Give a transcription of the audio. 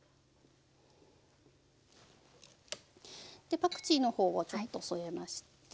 でパクチーの方をちょっと添えまして。